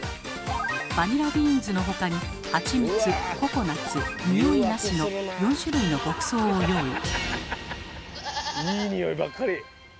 バニラビーンズの他に「ハチミツ」「ココナツ」「におい無し」の４種類の牧草を用意。